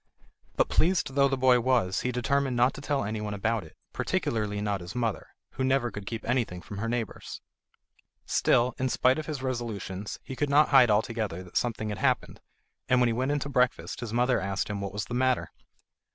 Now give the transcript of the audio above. But pleased though the boy was, he determined not to tell anyone about it, particularly not his mother, who never could keep anything from her neighbours. Still, in spite of his resolutions, he could not hide altogether that something had happened, and when he went in to breakfast his mother asked him what was the matter.